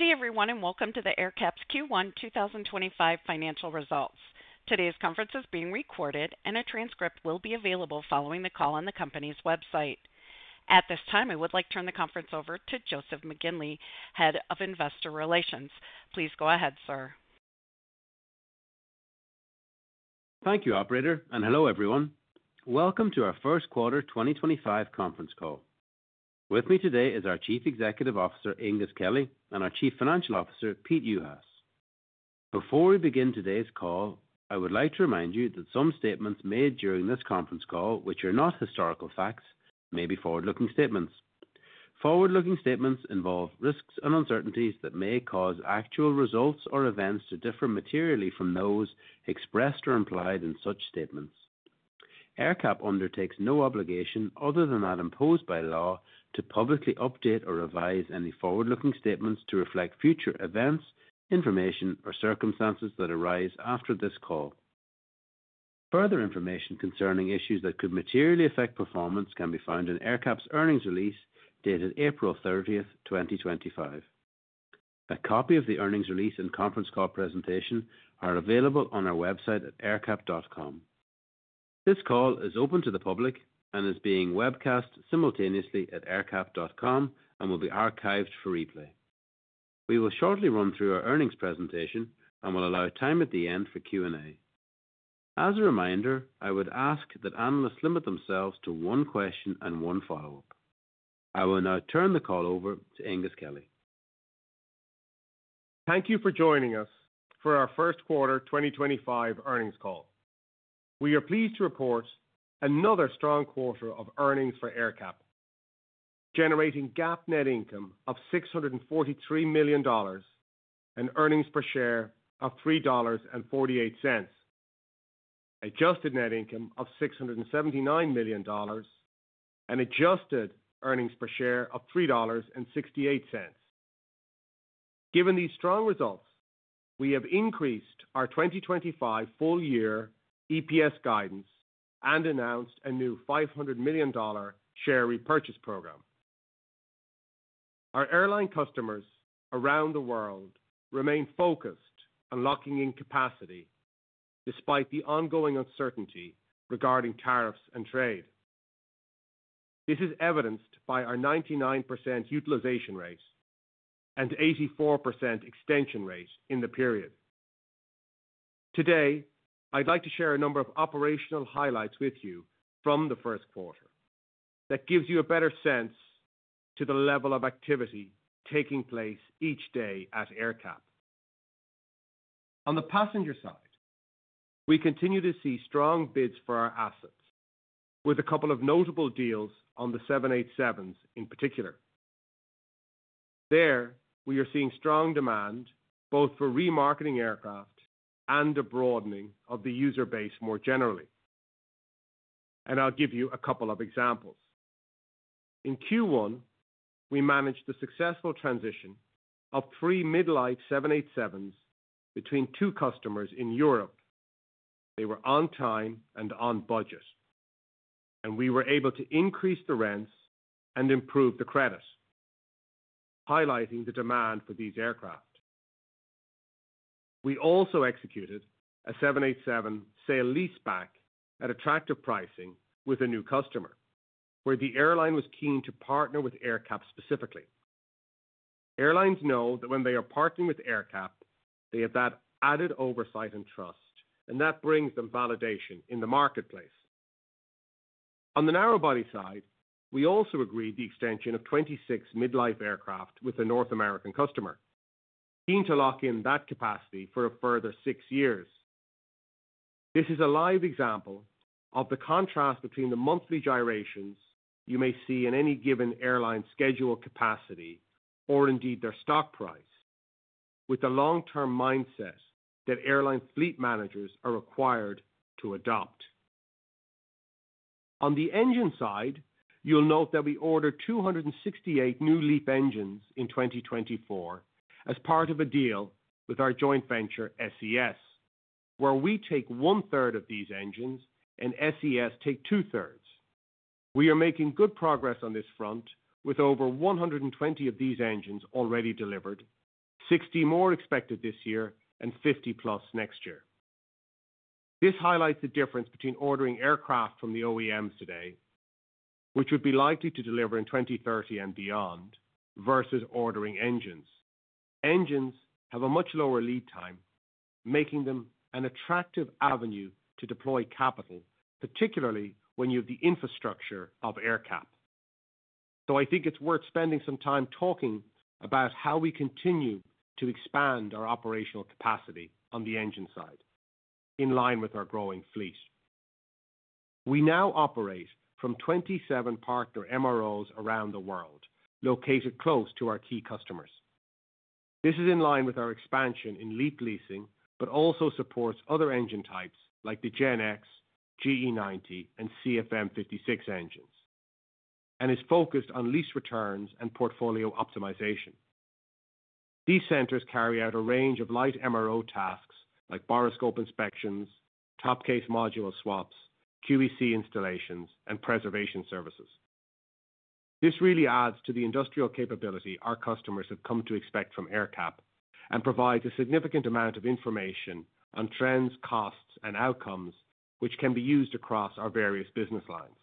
Good afternoon, everyone, and welcome to AerCap's Q1 2025 Financial Results. Today's conference is being recorded, and a transcript will be available following the call on the company's website. At this time, I would like to turn the conference over to Joseph McGinley, Head of Investor Relations. Please go ahead, sir. Thank you, Operator, and hello, everyone. Welcome to our first quarter 2025 conference call. With me today is our Chief Executive Officer, Aengus Kelly, and our Chief Financial Officer, Peter Juhas. Before we begin today's call, I would like to remind you that some statements made during this conference call, which are not historical facts, may be forward-looking statements. Forward-looking statements involve risks and uncertainties that may cause actual results or events to differ materially from those expressed or implied in such statements. AerCap undertakes no obligation other than that imposed by law to publicly update or revise any forward-looking statements to reflect future events, information, or circumstances that arise after this call. Further information concerning issues that could materially affect performance can be found in AerCap's earnings release dated April 30th, 2025. A copy of the earnings release and conference call presentation are available on our website at aercap.com. This call is open to the public and is being webcast simultaneously at aercap.com and will be archived for replay. We will shortly run through our earnings presentation and will allow time at the end for Q&A. As a reminder, I would ask that analysts limit themselves to one question and one follow-up. I will now turn the call over to Aengus Kelly. Thank you for joining us for our first quarter 2025 earnings call. We are pleased to report another strong quarter of earnings for AerCap, generating GAAP net income of $643 million and earnings per share of $3.48, adjusted net income of $679 million, and adjusted earnings per share of $3.68. Given these strong results, we have increased our 2025 full-year EPS guidance and announced a new $500 million share repurchase program. Our airline customers around the world remain focused and locking in capacity despite the ongoing uncertainty regarding tariffs and trade. This is evidenced by our 99% utilization rate and 84% extension rate in the period. Today, I'd like to share a number of operational highlights with you from the first quarter that gives you a better sense of the level of activity taking place each day at AerCap. On the passenger side, we continue to see strong bids for our assets, with a couple of notable deals on the 787s in particular. There, we are seeing strong demand both for remarketing aircraft and a broadening of the user base more generally. I'll give you a couple of examples. In Q1, we managed the successful transition of three mid-life 787s between two customers in Europe. They were on time and on budget, and we were able to increase the rents and improve the credit, highlighting the demand for these aircraft. We also executed a 787 sale leaseback at attractive pricing with a new customer, where the airline was keen to partner with AerCap specifically. Airlines know that when they are partnering with AerCap, they have that added oversight and trust, and that brings them validation in the marketplace. On the narrowbody side, we also agreed the extension of 26 mid-life aircraft with a North American customer, keen to lock in that capacity for a further six years. This is a live example of the contrast between the monthly gyrations you may see in any given airline's schedule capacity or indeed their stock price, with the long-term mindset that airline fleet managers are required to adopt. On the engine side, you'll note that we ordered 268 new LEAP engines in 2024 as part of a deal with our joint venture SES, where we take 1/3 of these engines and SES takes 2/3. We are making good progress on this front, with over 120 of these engines already delivered, 60 more expected this year and 50+ next year. This highlights the difference between ordering aircraft from the OEMs today, which would be likely to deliver in 2030 and beyond, versus ordering engines. Engines have a much lower lead time, making them an attractive avenue to deploy capital, particularly when you have the infrastructure of AerCap. I think it's worth spending some time talking about how we continue to expand our operational capacity on the engine side in line with our growing fleet. We now operate from 27 partner MROs around the world, located close to our key customers. This is in line with our expansion in LEAP leasing, but also supports other engine types like the GEnx, GE90, and CFM56 engines, and is focused on lease returns and portfolio optimization. These centers carry out a range of light MRO tasks like borescope inspections, top case module swaps, QEC installations, and preservation services. This really adds to the industrial capability our customers have come to expect from AerCap and provides a significant amount of information on trends, costs, and outcomes, which can be used across our various business lines.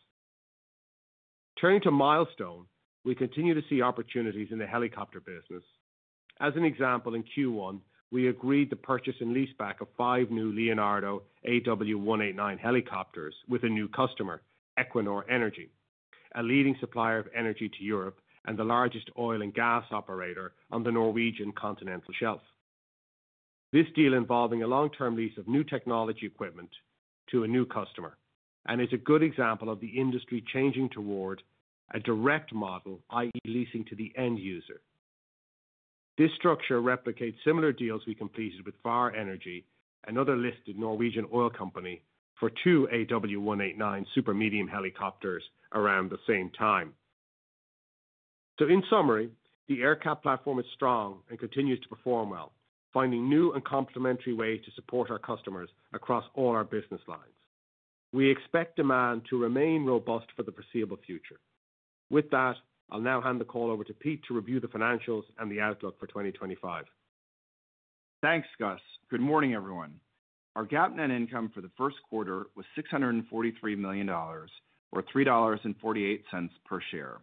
Turning to Milestone, we continue to see opportunities in the helicopter business. As an example, in Q1, we agreed the purchase and leaseback of five new Leonardo AW189 helicopters with a new customer, Equinor Energy, a leading supplier of energy to Europe and the largest oil and gas operator on the Norwegian Continental Shelf. This deal involves a long-term lease of new technology equipment to a new customer and is a good example of the industry changing toward a direct model, i.e., leasing to the end user. This structure replicates similar deals we completed with Vår Energi, another listed Norwegian oil company, for two AW189 super medium helicopters around the same time. In summary, the AerCap platform is strong and continues to perform well, finding new and complementary ways to support our customers across all our business lines. We expect demand to remain robust for the foreseeable future. With that, I'll now hand the call over to Pete to review the financials and the outlook for 2025. Thanks, Gus. Good morning, everyone. Our GAAP net income for the first quarter was $643 million, or $3.48 per share.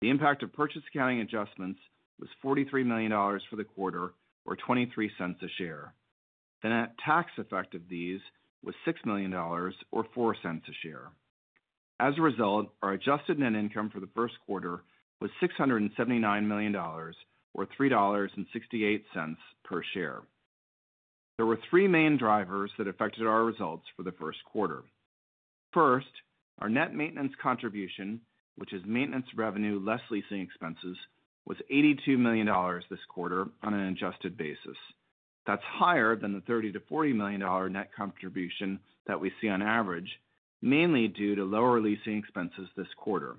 The impact of purchase accounting adjustments was $43 million for the quarter, or $0.23 a share. The net tax effect of these was $6 million, or $0.04 a share. As a result, our adjusted net income for the first quarter was $679 million, or $3.68 per share. There were three main drivers that affected our results for the first quarter. First, our net maintenance contribution, which is maintenance revenue less leasing expenses, was $82 million this quarter on an adjusted basis. That is higher than the $30 million-$40 million net contribution that we see on average, mainly due to lower leasing expenses this quarter.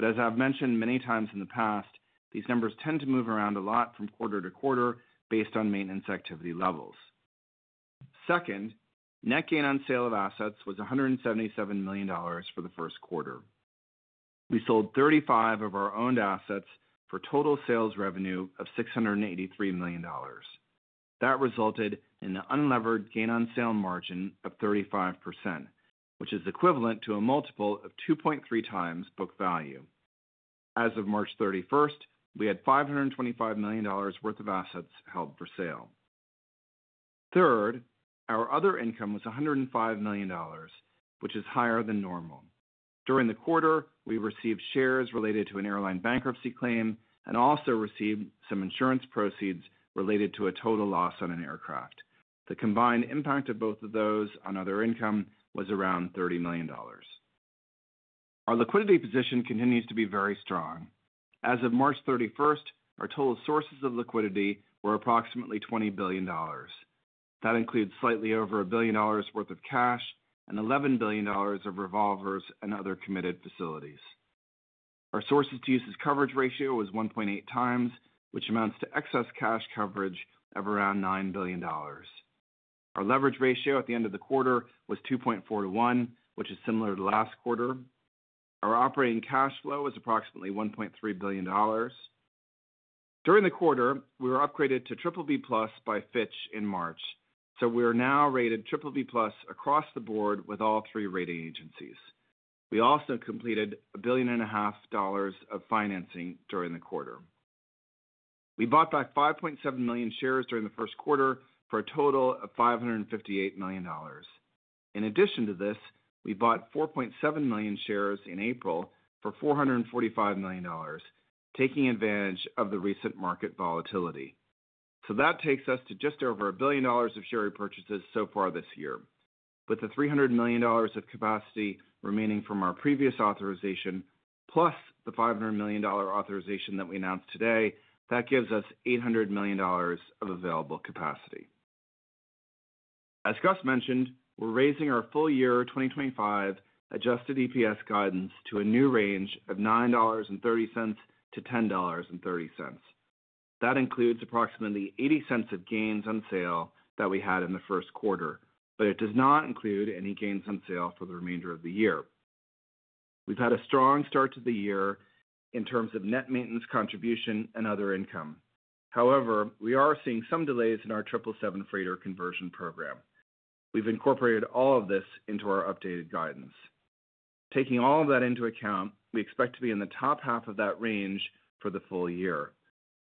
As I have mentioned many times in the past, these numbers tend to move around a lot from quarter to quarter based on maintenance activity levels. Second, net gain on sale of assets was $177 million for the first quarter. We sold 35 of our owned assets for total sales revenue of $683 million. That resulted in an unlevered gain on sale margin of 35%, which is equivalent to a multiple of 2.3 times book value. As of March 31st, we had $525 million worth of assets held for sale. Third, our other income was $105 million, which is higher than normal. During the quarter, we received shares related to an airline bankruptcy claim and also received some insurance proceeds related to a total loss on an aircraft. The combined impact of both of those on other income was around $30 million. Our liquidity position continues to be very strong. As of March 31st, our total sources of liquidity were approximately $20 billion. That includes slightly over $1 billion worth of cash and $11 billion of revolvers and other committed facilities. Our sources-to-uses coverage ratio was 1.8 times, which amounts to excess cash coverage of around $9 billion. Our leverage ratio at the end of the quarter was 2.4 to 1, which is similar to last quarter. Our operating cash flow was approximately $1.3 billion. During the quarter, we were upgraded to BBB+ by Fitch in March, so we are now rated BBB+ across the board with all three rating agencies. We also completed $1.5 billion of financing during the quarter. We bought back 5.7 million shares during the first quarter for a total of $558 million. In addition to this, we bought 4.7 million shares in April for $445 million, taking advantage of the recent market volatility. That takes us to just over $1 billion of share purchases so far this year. With the $300 million of capacity remaining from our previous authorization, plus the $500 million authorization that we announced today, that gives us $800 million of available capacity. As Gus mentioned, we're raising our full-year 2025 adjusted EPS guidance to a new range of $9.30-$10.30. That includes approximately $0.80 of gains on sale that we had in the first quarter, but it does not include any gains on sale for the remainder of the year. We've had a strong start to the year in terms of net maintenance contribution and other income. However, we are seeing some delays in our 777 freighter conversion program. We've incorporated all of this into our updated guidance. Taking all of that into account, we expect to be in the top half of that range for the full year.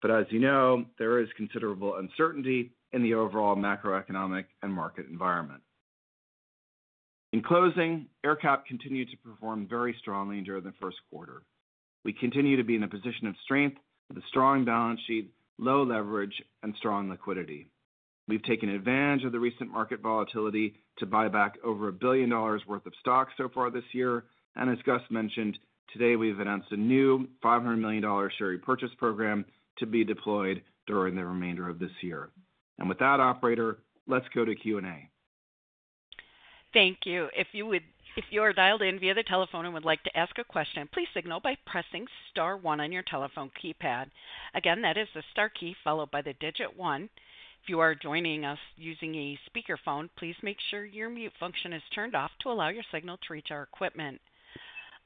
As you know, there is considerable uncertainty in the overall macroeconomic and market environment. In closing, AerCap continued to perform very strongly during the first quarter. We continue to be in a position of strength with a strong balance sheet, low leverage, and strong liquidity. We have taken advantage of the recent market volatility to buy back over $1 billion worth of stock so far this year. As Gus mentioned, today we have announced a new $500 million share purchase program to be deployed during the remainder of this year. With that, operator, let's go to Q&A. Thank you. If you are dialed in via the telephone and would like to ask a question, please signal by pressing star one on your telephone keypad. Again, that is the star key followed by the digit one. If you are joining us using a speakerphone, please make sure your mute function is turned off to allow your signal to reach our equipment.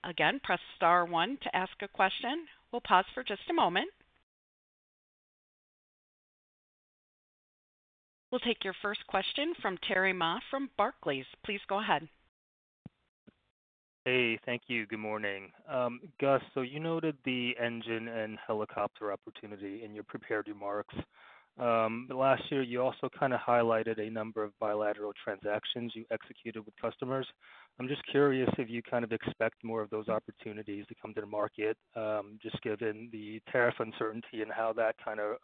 Again, press star one to ask a question. We'll pause for just a moment. We'll take your first question from Terry Ma from Barclays. Please go ahead. Hey, thank you. Good morning. Gus, you noted the engine and helicopter opportunity in your prepared remarks. Last year, you also kind of highlighted a number of bilateral transactions you executed with customers. I'm just curious if you kind of expect more of those opportunities to come to the market, just given the tariff uncertainty and how that kind of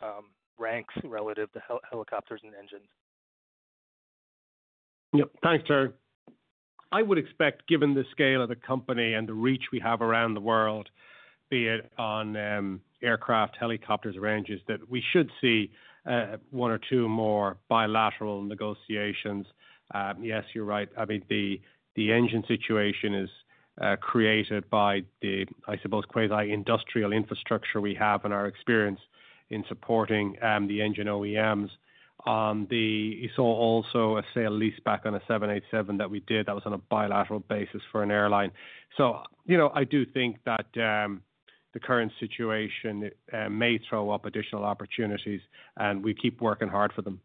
ranks relative to helicopters and engines. Yep. Thanks, Terry. I would expect, given the scale of the company and the reach we have around the world, be it on aircraft, helicopters, ranges, that we should see one or two more bilateral negotiations. Yes, you're right. I mean, the engine situation is created by the, I suppose, quasi-industrial infrastructure we have and our experience in supporting the engine OEMs. You saw also a sale leaseback on a 787 that we did that was on a bilateral basis for an airline. You know, I do think that the current situation may throw up additional opportunities, and we keep working hard for them.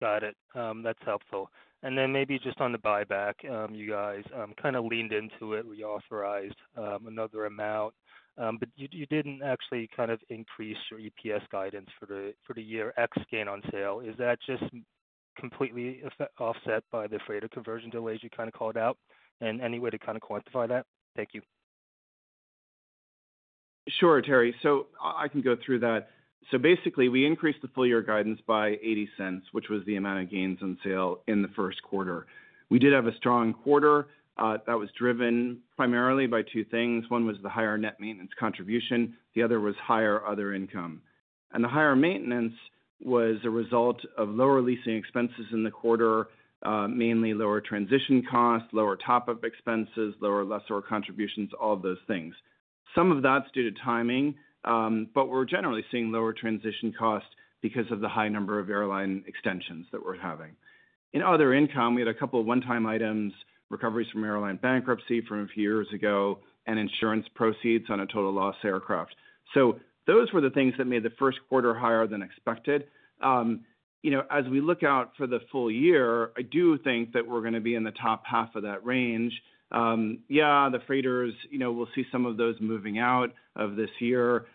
Got it. That's helpful. Maybe just on the buyback, you guys kind of leaned into it, reauthorized another amount, but you didn't actually kind of increase your EPS guidance for the year ex-gain on sale. Is that just completely offset by the freighter conversion delays you kind of called out? Any way to kind of quantify that? Thank you. Sure, Terry. I can go through that. Basically, we increased the full-year guidance by $0.80, which was the amount of gains on sale in the first quarter. We did have a strong quarter that was driven primarily by two things. One was the higher net maintenance contribution. The other was higher other income. The higher maintenance was a result of lower leasing expenses in the quarter, mainly lower transition costs, lower top-up expenses, lower lessor contributions, all of those things. Some of that is due to timing, but we are generally seeing lower transition costs because of the high number of airline extensions that we are having. In other income, we had a couple of one-time items, recoveries from airline bankruptcy from a few years ago, and insurance proceeds on a total loss aircraft. Those were the things that made the first quarter higher than expected. You know, as we look out for the full year, I do think that we're going to be in the top half of that range. Yeah, the freighters, you know, we'll see some of those moving out of this year.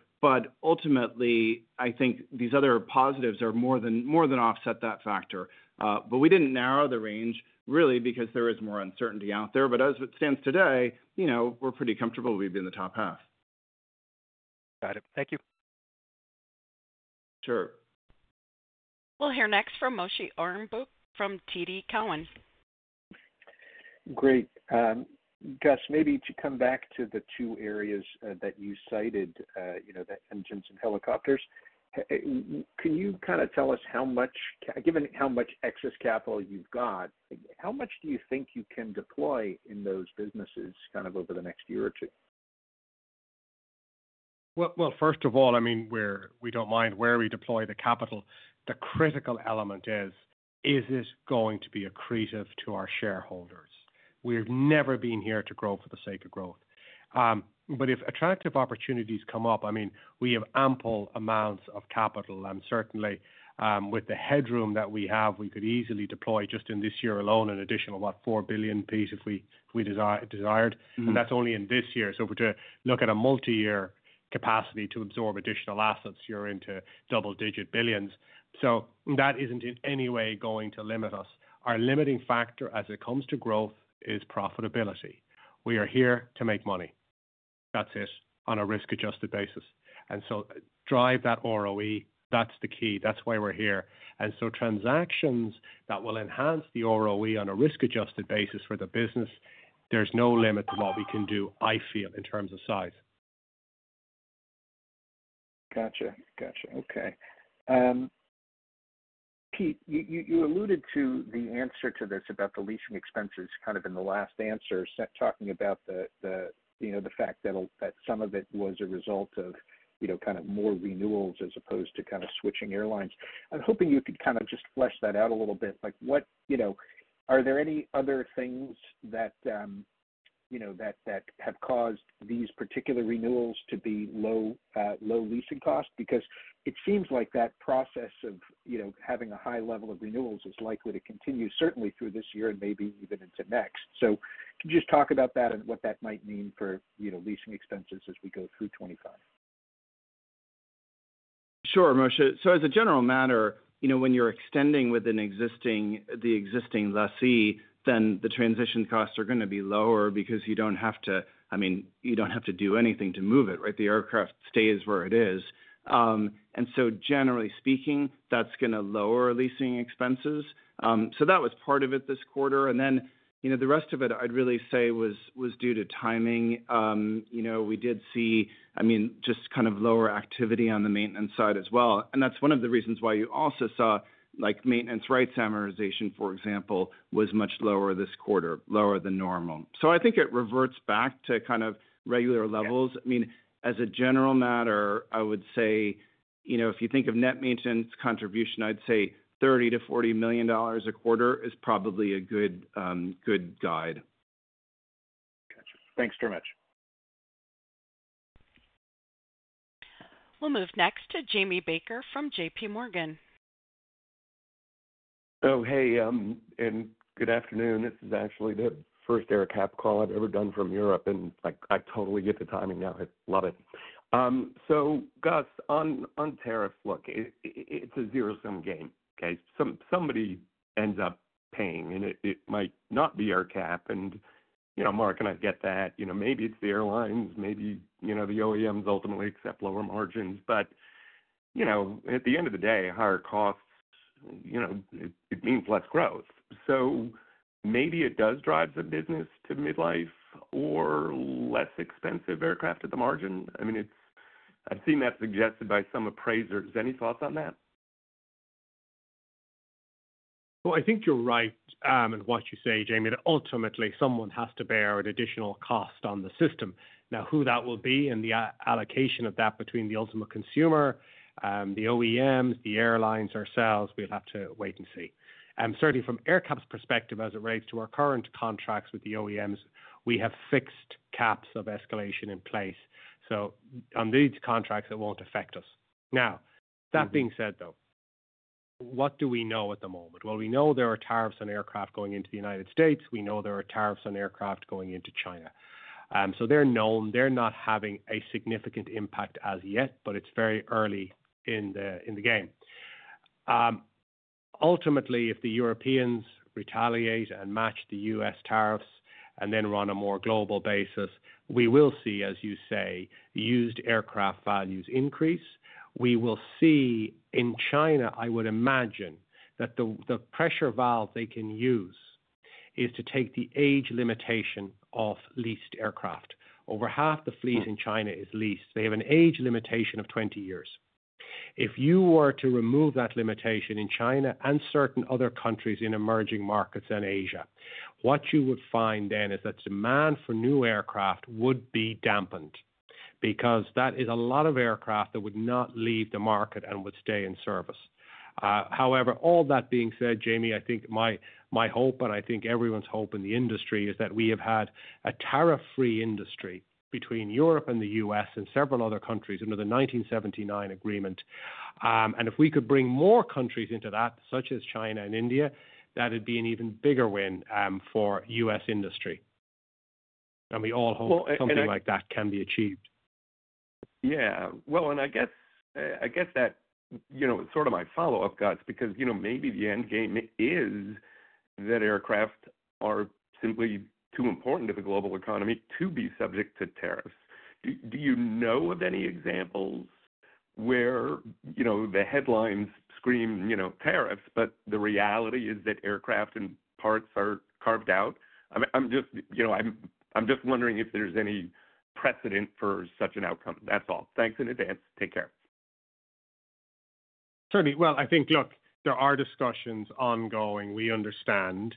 Ultimately, I think these other positives are more than offset that factor. We didn't narrow the range, really, because there is more uncertainty out there. As it stands today, you know, we're pretty comfortable we'd be in the top half. Got it. Thank you. Sure. We'll hear next from Moshe Orenbuch from TD Cowen. Great. Gus, maybe to come back to the two areas that you cited, you know, the engines and helicopters, can you kind of tell us how much, given how much excess capital you've got, how much do you think you can deploy in those businesses kind of over the next year or two? First of all, I mean, we don't mind where we deploy the capital. The critical element is, is it going to be accretive to our shareholders? We've never been here to grow for the sake of growth. If attractive opportunities come up, I mean, we have ample amounts of capital. Certainly, with the headroom that we have, we could easily deploy just in this year alone an additional, what, $4 billion if we desired. That is only in this year. If we were to look at a multi-year capacity to absorb additional assets, you're into double-digit billions. That isn't in any way going to limit us. Our limiting factor as it comes to growth is profitability. We are here to make money. That's it, on a risk-adjusted basis. Drive that ROE, that's the key. That's why we're here. Transactions that will enhance the ROE on a risk-adjusted basis for the business, there's no limit to what we can do, I feel, in terms of size. Gotcha. Gotcha. Okay. Pete, you alluded to the answer to this about the leasing expenses kind of in the last answer, talking about the fact that some of it was a result of kind of more renewals as opposed to kind of switching airlines. I'm hoping you could kind of just flesh that out a little bit. Are there any other things that have caused these particular renewals to be low leasing costs? Because it seems like that process of having a high level of renewals is likely to continue, certainly through this year and maybe even into next. Could you just talk about that and what that might mean for leasing expenses as we go through 2025? Sure, Moshe. As a general matter, you know, when you're extending with the existing lessee, then the transition costs are going to be lower because you don't have to, I mean, you don't have to do anything to move it, right? The aircraft stays where it is. Generally speaking, that's going to lower leasing expenses. That was part of it this quarter. The rest of it, I'd really say, was due to timing. You know, we did see, I mean, just kind of lower activity on the maintenance side as well. That's one of the reasons why you also saw, like, maintenance rights amortization, for example, was much lower this quarter, lower than normal. I think it reverts back to kind of regular levels. I mean, as a general matter, I would say, you know, if you think of net maintenance contribution, I'd say $30 million-$40 million a quarter is probably a good guide. Gotcha. Thanks very much. We'll move next to Jamie Baker from J.P. Morgan. Oh, hey, and good afternoon. This is actually the first AerCap call I've ever done from Europe. I totally get the timing now. I love it. Gus, on tariffs, look, it's a zero-sum game, okay? Somebody ends up paying, and it might not be AerCap. You know, Mark and I get that. You know, maybe it's the airlines, maybe, you know, the OEMs ultimately accept lower margins. You know, at the end of the day, higher costs, you know, it means less growth. Maybe it does drive some business to midlife or less expensive aircraft at the margin. I mean, I've seen that suggested by some appraisers. Any thoughts on that? I think you're right in what you say, Jamie, that ultimately someone has to bear an additional cost on the system. Now, who that will be and the allocation of that between the ultimate consumer, the OEMs, the airlines, ourselves, we'll have to wait and see. Certainly, from AerCap's perspective, as it relates to our current contracts with the OEMs, we have fixed caps of escalation in place. On these contracts, it won't affect us. That being said, though, what do we know at the moment? We know there are tariffs on aircraft going into the United States. We know there are tariffs on aircraft going into China. They're known. They're not having a significant impact as yet, but it's very early in the game. Ultimately, if the Europeans retaliate and match the U.S. Tariffs and then run a more global basis, we will see, as you say, used aircraft values increase. We will see in China, I would imagine, that the pressure valve they can use is to take the age limitation off leased aircraft. Over half the fleet in China is leased. They have an age limitation of 20 years. If you were to remove that limitation in China and certain other countries in emerging markets in Asia, what you would find then is that demand for new aircraft would be dampened because that is a lot of aircraft that would not leave the market and would stay in service. However, all that being said, Jamie, I think my hope and I think everyone's hope in the industry is that we have had a tariff-free industry between Europe and the U.S. and several other countries under the 1979 Agreement. If we could bring more countries into that, such as China and India, that'd be an even bigger win for U.S. industry. We all hope something like that can be achieved. Yeah. I guess that, you know, is sort of my follow-up, Gus, because, you know, maybe the end game is that aircraft are simply too important to the global economy to be subject to tariffs. Do you know of any examples where, you know, the headlines scream, you know, tariffs, but the reality is that aircraft and parts are carved out? I'm just, you know, I'm just wondering if there's any precedent for such an outcome. That's all. Thanks in advance. Take care. Certainly. I think, look, there are discussions ongoing, we understand,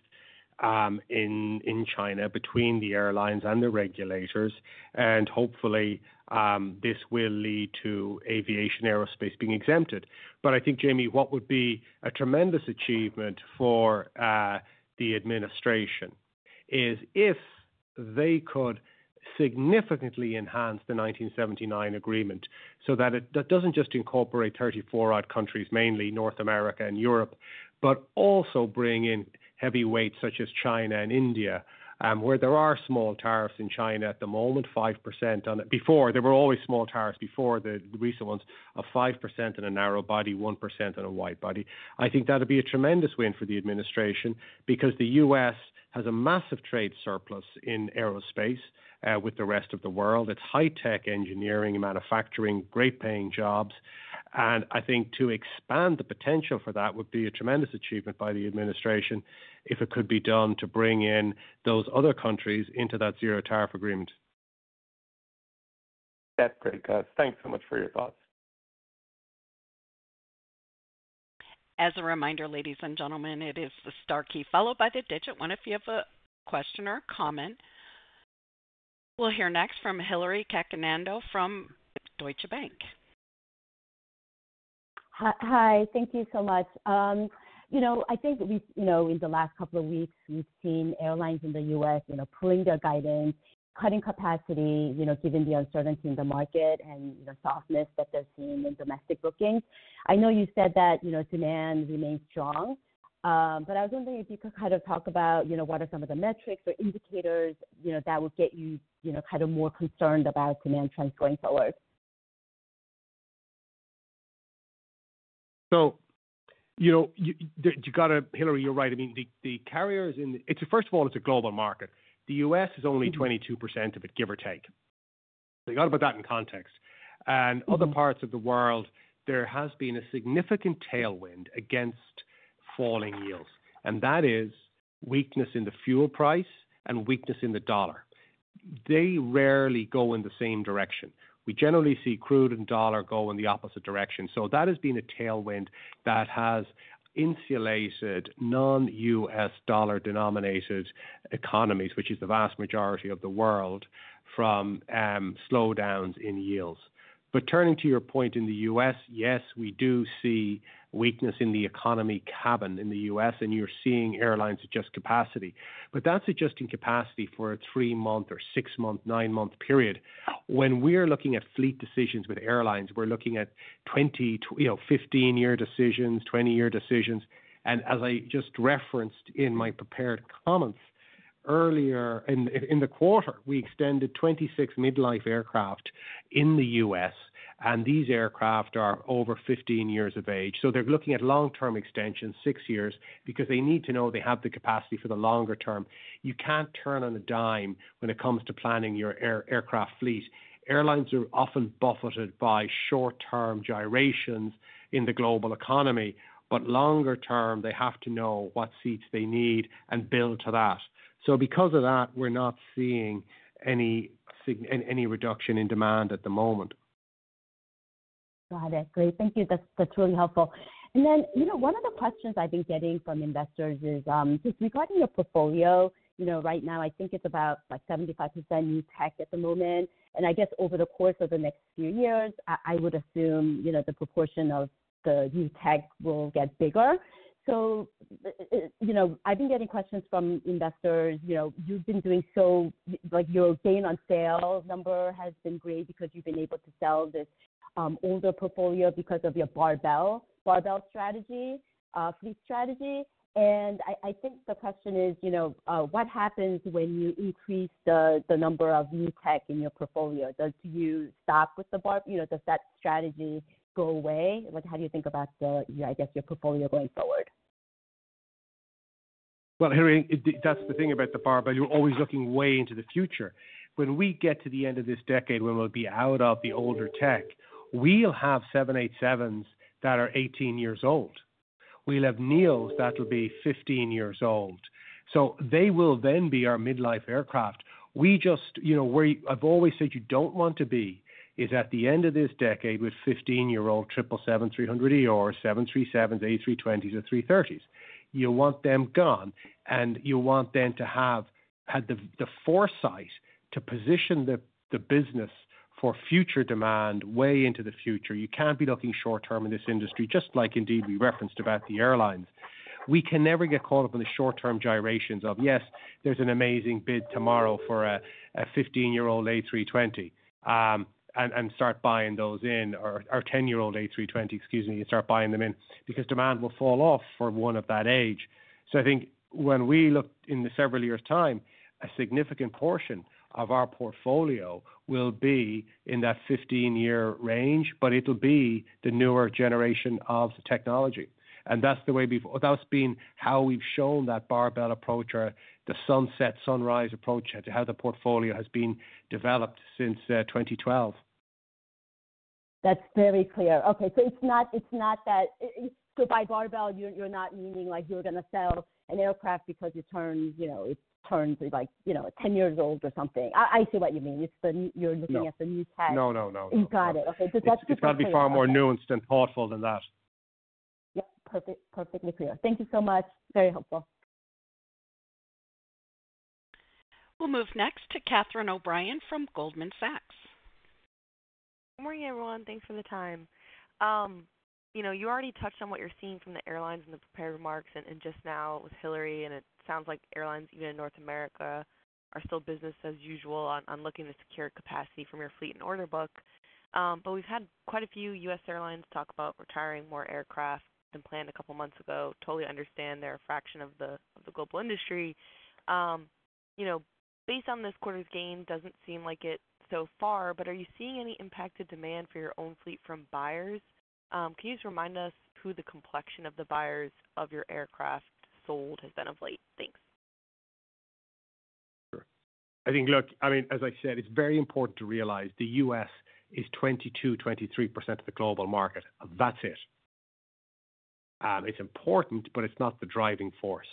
in China between the airlines and the regulators. Hopefully, this will lead to aviation aerospace being exempted. I think, Jamie, what would be a tremendous achievement for the administration is if they could significantly enhance the 1979 Agreement so that it does not just incorporate 34-odd countries, mainly North America and Europe, but also bring in heavyweights such as China and India, where there are small tariffs in China at the moment, 5% on it. Before, there were always small tariffs before the recent ones of 5% on a narrow body, 1% on a wide body. I think that would be a tremendous win for the administration because the U.S. has a massive trade surplus in aerospace with the rest of the world. It is high-tech engineering, manufacturing, great-paying jobs. I think to expand the potential for that would be a tremendous achievement by the administration if it could be done to bring in those other countries into that zero-tariff agreement. That's great, Gus. Thanks so much for your thoughts. As a reminder, ladies and gentlemen, it is the star key followed by the digit one if you have a question or a comment. We'll hear next from Hillary Cacanando from Deutsche Bank. Hi. Thank you so much. You know, I think, you know, in the last couple of weeks, we've seen airlines in the U.S., you know, pulling their guidance, cutting capacity, you know, given the uncertainty in the market and, you know, softness that they're seeing in domestic bookings. I know you said that, you know, demand remains strong. I was wondering if you could kind of talk about, you know, what are some of the metrics or indicators, you know, that would get you, you know, kind of more concerned about demand trends going forward? You know, you got to, Hillary, you're right. I mean, the carriers in, first of all, it's a global market. The U.S. is only 22% of it, give or take. You got to put that in context. In other parts of the world, there has been a significant tailwind against falling yields. That is weakness in the fuel price and weakness in the dollar. They rarely go in the same direction. We generally see crude and dollar go in the opposite direction. That has been a tailwind that has insulated non-U.S. dollar-denominated economies, which is the vast majority of the world, from slowdowns in yields. Turning to your point in the U.S., yes, we do see weakness in the economy cabin in the U.S., and you're seeing airlines adjust capacity. That's adjusting capacity for a three-month or six-month, nine-month period. When we're looking at fleet decisions with airlines, we're looking at 20 year, you know, 15-year decisions, 20-year decisions. As I just referenced in my prepared comments earlier, in the quarter, we extended 26 midlife aircraft in the U.S., and these aircraft are over 15 years of age. They're looking at long-term extensions, six years, because they need to know they have the capacity for the longer term. You can't turn on a dime when it comes to planning your aircraft fleet. Airlines are often buffeted by short-term gyrations in the global economy. Longer term, they have to know what seats they need and build to that. Because of that, we're not seeing any reduction in demand at the moment. Got it. Great. Thank you. That's really helpful. You know, one of the questions I've been getting from investors is just regarding your portfolio. Right now, I think it's about, like, 75% new tech at the moment. I guess over the course of the next few years, I would assume, you know, the proportion of the new tech will get bigger. You know, I've been getting questions from investors, you know, you've been doing so, like, your gain on sale number has been great because you've been able to sell this older portfolio because of your barbell strategy, fleet strategy. I think the question is, you know, what happens when you increase the number of new tech in your portfolio? Do you stop with the, you know, does that strategy go away? Like, how do you think about, I guess, your portfolio going forward? Hillary, that's the thing about the barbell. You're always looking way into the future. When we get to the end of this decade, when we'll be out of the older tech, we'll have 787s that are 18 years old. We'll have Neos that'll be 15 years old. So they will then be our midlife aircraft. You just, you know, where I've always said you don't want to be is at the end of this decade with 15-year-old 777-300ER, 737s, A320s, or 330s. You want them gone, and you want them to have had the foresight to position the business for future demand way into the future. You can't be looking short-term in this industry, just like indeed we referenced about the airlines. We can never get caught up in the short-term gyrations of, yes, there's an amazing bid tomorrow for a 15-year-old A320 and start buying those in, or a 10-year-old A320, excuse me, and start buying them in because demand will fall off for one of that age. I think when we look in the several years' time, a significant portion of our portfolio will be in that 15-year range, but it'll be the newer generation of technology. That's the way we've, that's been how we've shown that barbell approach or the sunset, sunrise approach to how the portfolio has been developed since 2012. That's very clear. Okay. It's not that, so by barbell, you're not meaning, like, you're going to sell an aircraft because it turns, you know, it turns, like, you know, 10 years old or something. I see what you mean. It's the, you're looking at the new tech. No, no. You got it. Okay. That's the question. It's got to be far more nuanced and thoughtful than that. Yep. Perfect, perfectly clear. Thank you so much. Very helpful. We'll move next to Catherine O'Brien from Goldman Sachs. Good morning, everyone. Thanks for the time. You know, you already touched on what you're seeing from the airlines in the prepared remarks and just now with Hillary. It sounds like airlines, even in North America, are still business as usual on looking to secure capacity from your fleet and order book. We've had quite a few U.S. airlines talk about retiring more aircraft than planned a couple of months ago. Totally understand. They're a fraction of the global industry. You know, based on this quarter's gain, doesn't seem like it so far. Are you seeing any impacted demand for your own fleet from buyers? Can you just remind us who the complexion of the buyers of your aircraft sold has been of late? Thanks. Sure. I think, look, I mean, as I said, it's very important to realize the U.S. is 22%-23% of the global market. That's it. It's important, but it's not the driving force.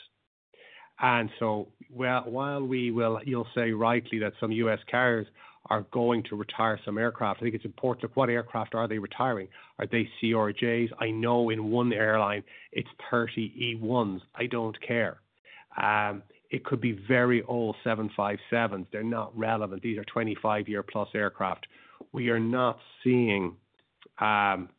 While we will, you'll say rightly that some U.S. carriers are going to retire some aircraft, I think it's important, look, what aircraft are they retiring? Are they CRJs? I know in one airline, it's purely E1s. I don't care. It could be very old 757s. They're not relevant. These are 25 year plus aircraft. We are not seeing current,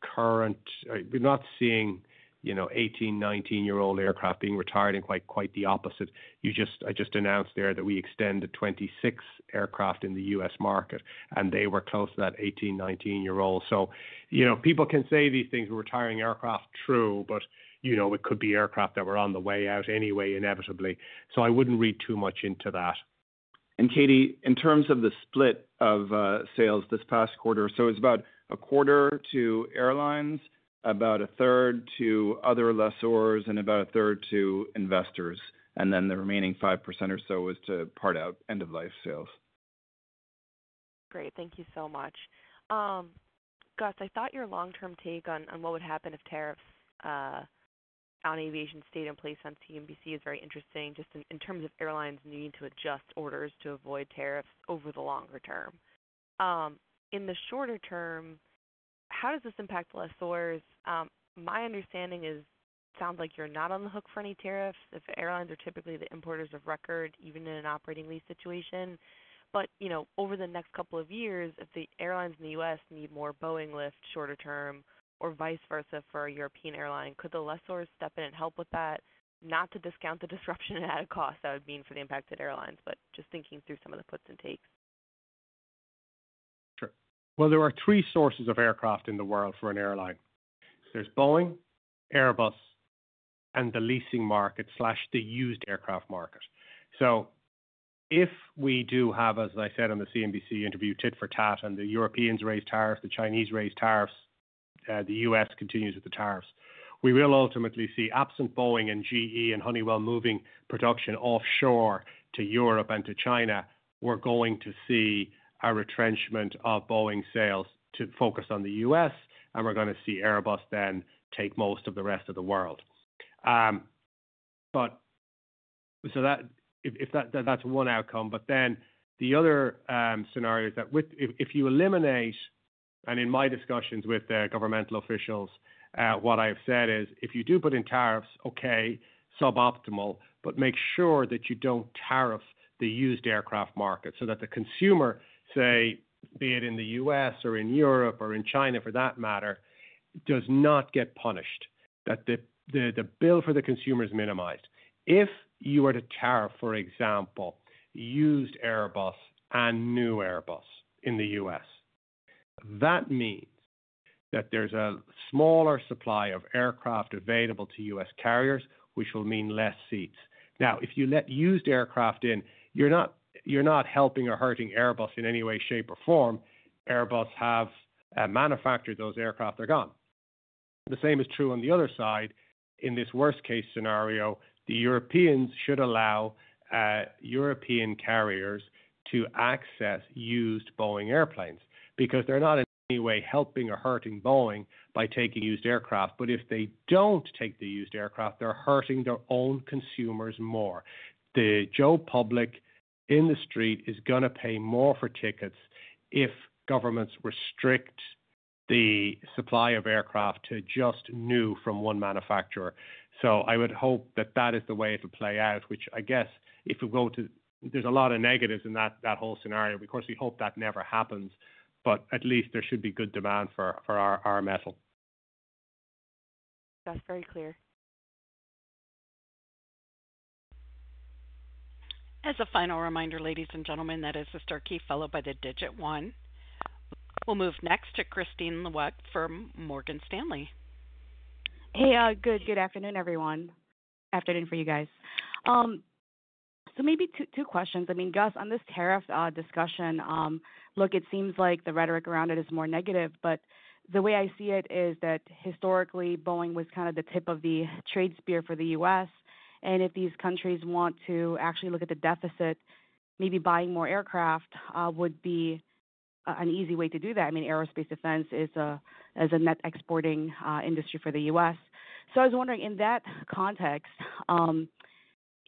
we're not seeing, you know, 18, 19-year-old aircraft being retired and quite the opposite. You just, I just announced there that we extended 26 aircraft in the U.S. market, and they were close to that 18, 19-year-old. You know, people can say these things, we're retiring aircraft, true, but, you know, it could be aircraft that were on the way out anyway, inevitably. I wouldn't read too much into that. Catherine, in terms of the split of sales this past quarter, it's about a quarter to airlines, about a third to other lessors, and about a third to investors. The remaining 5% or so was to part out end-of-life sales. Great. Thank you so much. Gus, I thought your long-term take on what would happen if tariffs on aviation stayed in place on CNBC is very interesting, just in terms of airlines needing to adjust orders to avoid tariffs over the longer term. In the shorter term, how does this impact lessors? My understanding is it sounds like you're not on the hook for any tariffs if airlines are typically the importers of record, even in an operating lease situation. You know, over the next couple of years, if the airlines in the U.S. need more Boeing lifts shorter term or vice versa for a European airline, could the lessors step in and help with that, not to discount the disruption and added costs that would mean for the impacted airlines, but just thinking through some of the puts and takes? Sure. There are three sources of aircraft in the world for an airline. There's Boeing, Airbus, and the leasing market slash the used aircraft market. If we do have, as I said on the CNBC interview, tit for tat, and the Europeans raise tariffs, the Chinese raise tariffs, the U.S. continues with the tariffs, we will ultimately see, absent Boeing and GE and Honeywell moving production offshore to Europe and to China, a retrenchment of Boeing sales to focus on the U.S., and we're going to see Airbus then take most of the rest of the world. If that's one outcome. Then the other scenario is that if you eliminate, and in my discussions with governmental officials, what I have said is if you do put in tariffs, okay, suboptimal, but make sure that you do not tariff the used aircraft market so that the consumer, say, be it in the U.S. or in Europe or in China for that matter, does not get punished, that the bill for the consumer is minimized. If you were to tariff, for example, used Airbus and new Airbus in the U.S., that means that there is a smaller supply of aircraft available to U.S. carriers, which will mean fewer seats. Now, if you let used aircraft in, you are not helping or hurting Airbus in any way, shape, or form. Airbus has manufactured those aircraft. They are gone. The same is true on the other side. In this worst-case scenario, the Europeans should allow European carriers to access used Boeing airplanes because they're not in any way helping or hurting Boeing by taking used aircraft. If they don't take the used aircraft, they're hurting their own consumers more. The Joe public industry is going to pay more for tickets if governments restrict the supply of aircraft to just new from one manufacturer. I would hope that that is the way it'll play out, which I guess if we go to, there's a lot of negatives in that whole scenario. Of course, we hope that never happens, but at least there should be good demand for our metal. That's very clear. As a final reminder, ladies and gentlemen, that is the star key followed by the digit one. We'll move next to Kristine Liwag from Morgan Stanley. Hey, good afternoon, everyone. Afternoon for you guys. Maybe two questions. I mean, Gus, on this tariff discussion, look, it seems like the rhetoric around it is more negative, but the way I see it is that historically, Boeing was kind of the tip of the trade spear for the U.S. If these countries want to actually look at the deficit, maybe buying more aircraft would be an easy way to do that. I mean, aerospace defense is a net exporting industry for the U.S. I was wondering in that context,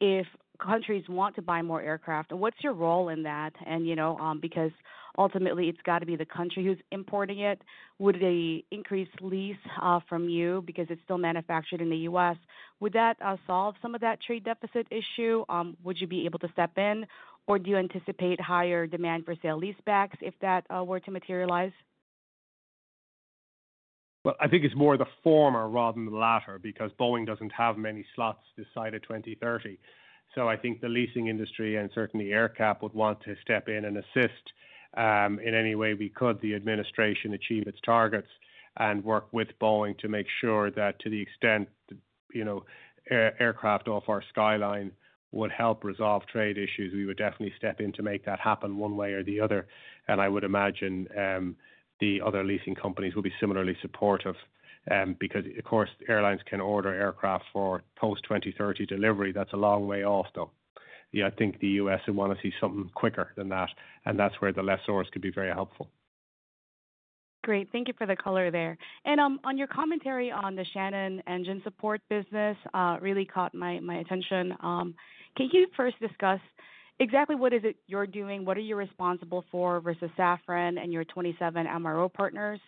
if countries want to buy more aircraft, what's your role in that? You know, because ultimately, it's got to be the country who's importing it. Would the increased lease from you, because it's still manufactured in the U.S., would that solve some of that trade deficit issue? Would you be able to step in, or do you anticipate higher demand for sale leasebacks if that were to materialize? I think it's more the former rather than the latter because Boeing doesn't have many slots decided 2030. I think the leasing industry and certainly AerCap would want to step in and assist in any way we could the administration achieve its targets and work with Boeing to make sure that to the extent, you know, aircraft off our skyline would help resolve trade issues. We would definitely step in to make that happen one way or the other. I would imagine the other leasing companies will be similarly supportive because, of course, airlines can order aircraft for post-2030 delivery. That's a long way off, though. I think the U.S. would want to see something quicker than that. That's where the lessors could be very helpful. Great. Thank you for the color there. On your commentary on the Shannon Engine Support business, really caught my attention. Can you first discuss exactly what is it you're doing, what are you responsible for versus Safran and your 27 MRO partners?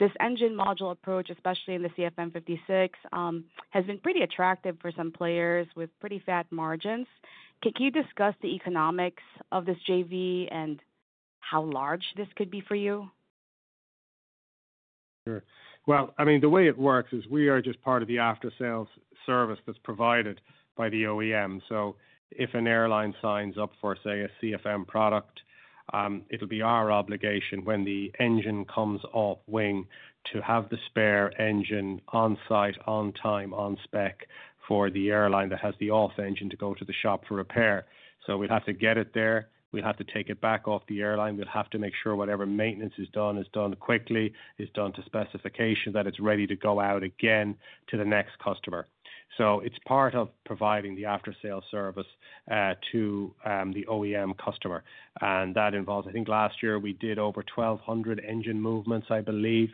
This engine module approach, especially in the CFM56, has been pretty attractive for some players with pretty fat margins. Can you discuss the economics of this JV and how large this could be for you? Sure. I mean, the way it works is we are just part of the after-sales service that's provided by the OEM. If an airline signs up for, say, a CFM product, it'll be our obligation when the engine comes off wing to have the spare engine on site, on time, on spec for the airline that has the off engine to go to the shop for repair. We'd have to get it there. We'd have to take it back off the airline. We'd have to make sure whatever maintenance is done is done quickly, is done to specification, that it's ready to go out again to the next customer. It's part of providing the after-sales service to the OEM customer. That involves, I think last year we did over 1,200 engine movements, I believe,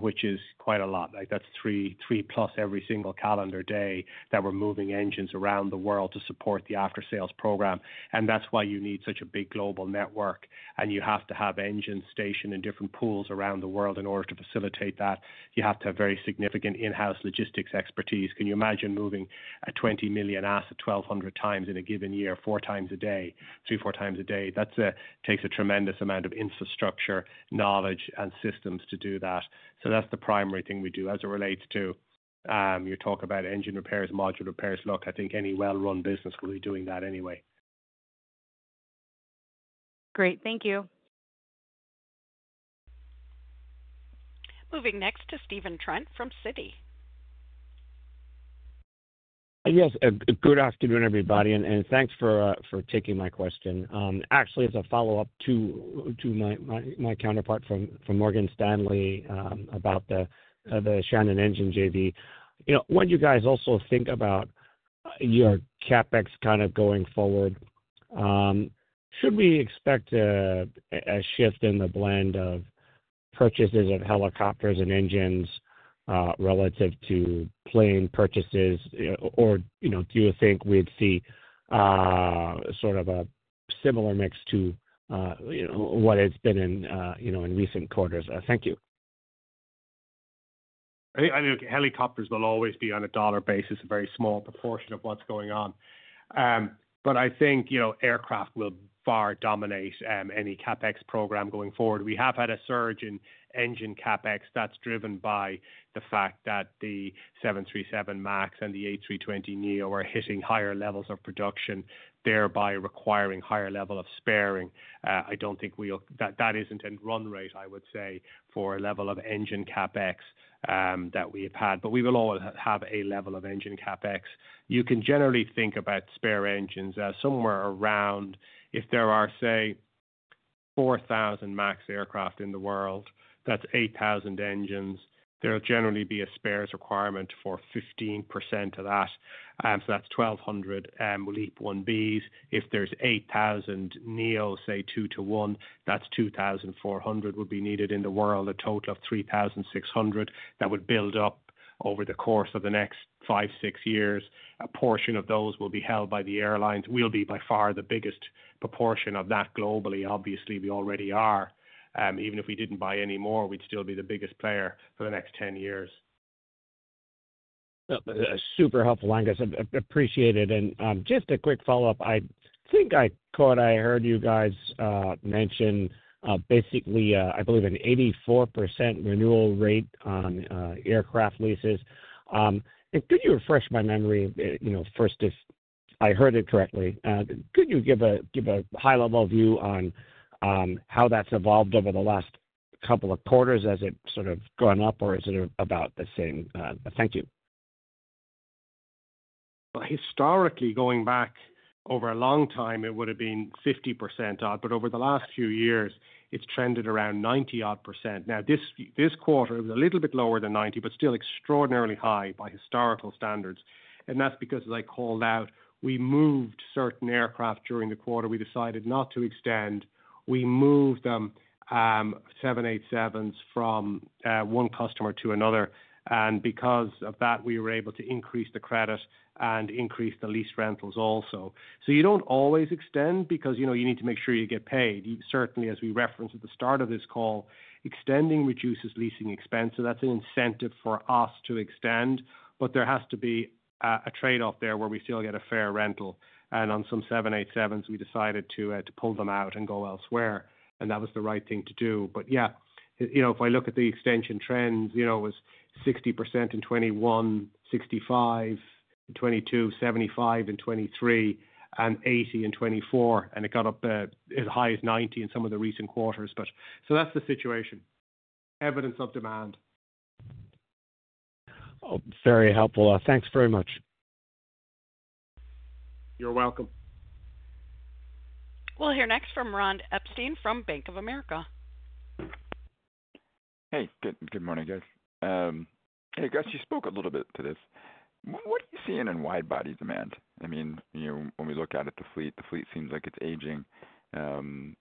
which is quite a lot. Like that's three plus every single calendar day that we're moving engines around the world to support the after-sales program. That is why you need such a big global network. You have to have engines stationed in different pools around the world in order to facilitate that. You have to have very significant in-house logistics expertise. Can you imagine moving a $20 million asset 1,200 times in a given year, four times a day, three, four times a day? That takes a tremendous amount of infrastructure, knowledge, and systems to do that. That is the primary thing we do as it relates to your talk about engine repairs, module repairs. Look, I think any well-run business will be doing that anyway. Great. Thank you. Moving next to Stephen Trent from Citi. Yes. Good afternoon, everybody. Thanks for taking my question. Actually, as a follow-up to my counterpart from Morgan Stanley about the Shannon engine JV, you know, when you guys also think about your CapEx kind of going forward, should we expect a shift in the blend of purchases of helicopters and engines relative to plane purchases? Or, you know, do you think we'd see sort of a similar mix to what it's been in recent quarters? Thank you. I mean, helicopters will always be on a dollar basis, a very small proportion of what's going on. But I think, you know, aircraft will far dominate any CapEx program going forward. We have had a surge in engine CapEx that's driven by the fact that the 737 MAX and the A320neo are hitting higher levels of production, thereby requiring higher level of sparing. I don't think we'll, that isn't a run rate, I would say, for a level of engine CapEx that we have had. But we will all have a level of engine CapEx. You can generally think about spare engines somewhere around, if there are, say, 4,000 MAX aircraft in the world, that's 8,000 engines. There'll generally be a spares requirement for 15% of that. So that's 1,200 LEAP-1Bs. If there's 8,000 Neo, say, two to one, that's 2,400 would be needed in the world, a total of 3,600 that would build up over the course of the next five, six years. A portion of those will be held by the airlines. We'll be by far the biggest proportion of that globally. Obviously, we already are. Even if we didn't buy any more, we'd still be the biggest player for the next 10 years. Super helpful, Aengus. Appreciate it. Just a quick follow-up. I think I caught, I heard you guys mention basically, I believe, an 84% renewal rate on aircraft leases. Could you refresh my memory, you know, first, if I heard it correctly, could you give a high-level view on how that's evolved over the last couple of quarters as it's sort of gone up, or is it about the same? Thank you. Historically, going back over a long time, it would have been 50% odd, but over the last few years, it's trended around 90% odd. This quarter, it was a little bit lower than 90%, but still extraordinarily high by historical standards. That is because, as I called out, we moved certain aircraft during the quarter. We decided not to extend. We moved them, 787s, from one customer to another. Because of that, we were able to increase the credit and increase the lease rentals also. You do not always extend because, you know, you need to make sure you get paid. Certainly, as we referenced at the start of this call, extending reduces leasing expense. That is an incentive for us to extend, but there has to be a trade-off there where we still get a fair rental. On some 787s, we decided to pull them out and go elsewhere. That was the right thing to do. Yeah, you know, if I look at the extension trends, you know, it was 60% in 2021, 65% in 2022, 75% in 2023, and 80% in 2024. It got up as high as 90% in some of the recent quarters. That is the situation. Evidence of demand. Oh, very helpful. Thanks very much. You're welcome. We'll hear next from Ronald Epstein from Bank of America. Hey, good morning, guys. Hey, guys, you spoke a little bit to this. What are you seeing in wide-body demand? I mean, you know, when we look at it, the fleet, the fleet seems like it's aging. You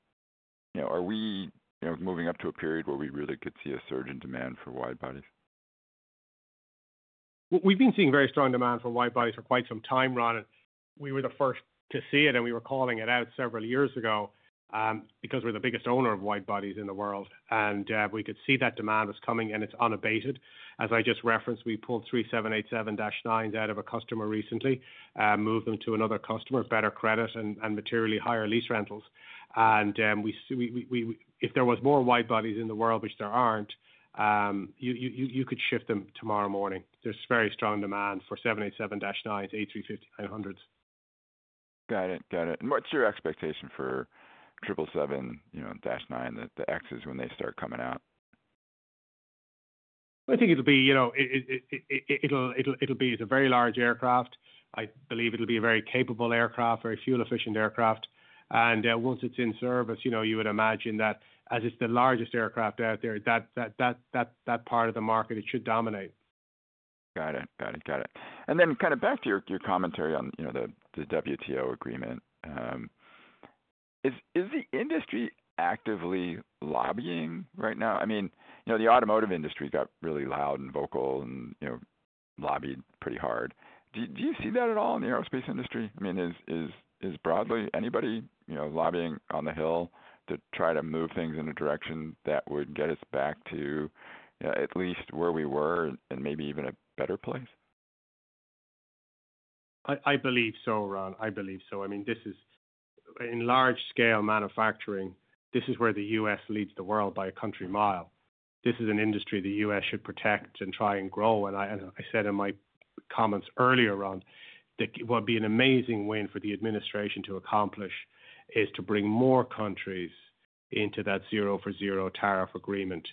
know, are we, you know, moving up to a period where we really could see a surge in demand for wide bodies? We have been seeing very strong demand for wide bodies for quite some time, Ron. We were the first to see it, and we were calling it out several years ago because we are the biggest owner of wide bodies in the world. We could see that demand was coming, and it is unabated. As I just referenced, we pulled three 787-9s out of a customer recently, moved them to another customer, better credit, and materially higher lease rentals. If there were more wide bodies in the world, which there are not, you could shift them tomorrow morning. There is very strong demand for 787-9s, A350-900s. Got it. Got it. What is your expectation for 777-9, the Xs, when they start coming out? I think it'll be, you know, it'll be a very large aircraft. I believe it'll be a very capable aircraft, very fuel-efficient aircraft. Once it's in service, you know, you would imagine that as it's the largest aircraft out there, that part of the market, it should dominate. Got it. Got it. Got it. Kind of back to your commentary on, you know, the WTO agreement, is the industry actively lobbying right now? I mean, you know, the automotive industry got really loud and vocal and, you know, lobbied pretty hard. Do you see that at all in the aerospace industry? I mean, is broadly anybody, you know, lobbying on the hill to try to move things in a direction that would get us back to at least where we were and maybe even a better place? I believe so, Ron. I believe so. I mean, this is in large-scale manufacturing, this is where the U.S. leads the world by a country mile. This is an industry the U.S. should protect and try and grow. I said in my comments earlier, Ron, that what would be an amazing win for the administration to accomplish is to bring more countries into that zero-for-zero tariff agreement.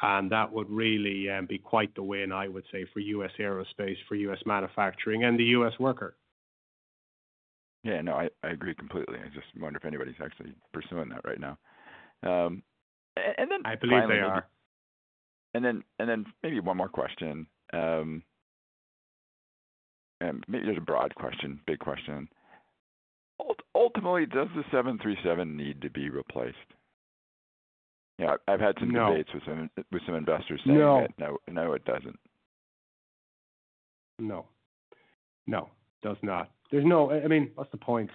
That would really be quite the win, I would say, for U.S. aerospace, for U.S. manufacturing, and the U.S. worker. Yeah, no, I agree completely. I just wonder if anybody's actually pursuing that right now. I believe they are. Maybe one more question. Maybe there's a broad question, big question. Ultimately, does the 737 need to be replaced? You know, I've had some debates with some investors saying that no, it doesn't. No. No, it does not. There's no, I mean, what's the point?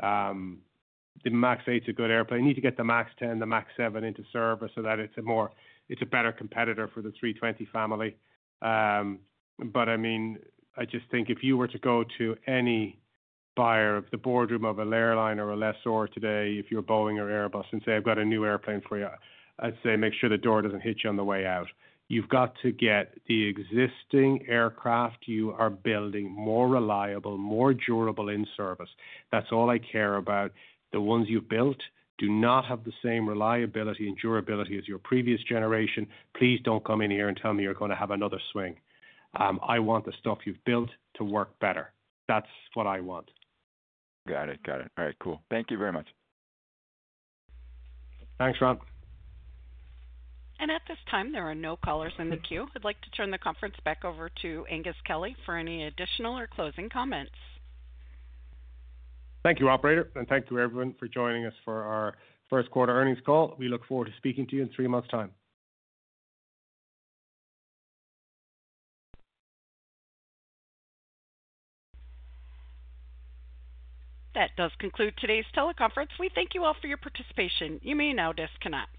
The MAX 8's a good airplane. You need to get the MAX 10, the MAX 7 into service so that it's a better competitor for the 320 family. I mean, I just think if you were to go to any buyer of the boardroom of an airline or a lessor today, if you're Boeing or Airbus, and say, "I've got a new airplane for you," I'd say, "Make sure the door doesn't hit you on the way out." You've got to get the existing aircraft you are building, more reliable, more durable in service. That's all I care about. The ones you've built do not have the same reliability and durability as your previous generation. Please don't come in here and tell me you're going to have another swing. I want the stuff you've built to work better. That's what I want. Got it. Got it. All right. Cool. Thank you very much. Thanks, Ron. At this time, there are no callers in the queue. I'd like to turn the conference back over to Aengus Kelly for any additional or closing comments. Thank you, operator. Thank you, everyone, for joining us for our first quarter earnings call. We look forward to speaking to you in three months' time. That does conclude today's teleconference. We thank you all for your participation. You may now disconnect.